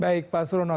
baik pak suruno